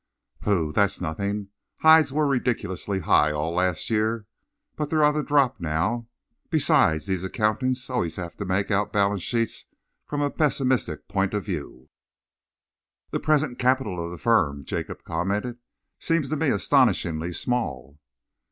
"Pooh! That's nothing! Hides were ridiculously high all last year, but they're on the drop now. Besides, these accountants always have to make out balance sheets from a pessimistic point of view." "The present capital of the firm," Jacob commented, "seems to me astonishingly small."